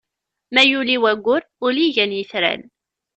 Ma yuli waggur, ula igan itran.